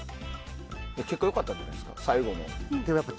結果良かったんじゃないんですか最後の。